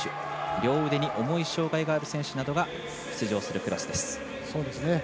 両腕に重い障がいがある選手などが出場する選手です。